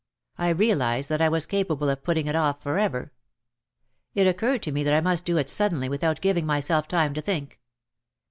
I realised that I was ca pable of putting it off forever. It occurred to me that I must do it suddenly without giving myself time to think.